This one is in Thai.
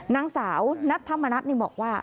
นางสาวนัทธรรมนัฐนี่บอกว่า